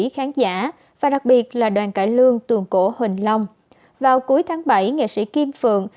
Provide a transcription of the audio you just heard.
quý khán giả và đặc biệt là đoàn cải lương tường cổ huỳnh long vào cuối tháng bảy nghệ sĩ kim phượng